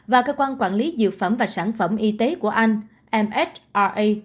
và cơ quan quản lý dược phẩm và sản phẩm y tế của anh msia